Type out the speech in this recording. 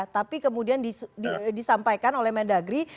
tapi kemudian disampaikan oleh mendagri